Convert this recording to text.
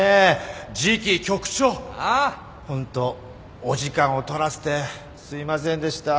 ホントお時間を取らせてすいませんでした。